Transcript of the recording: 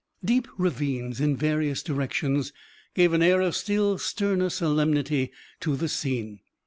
Deep ravines, in various directions, gave an air of still sterner solemnity to the scene.